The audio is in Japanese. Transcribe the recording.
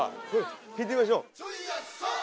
聞いてみましょう。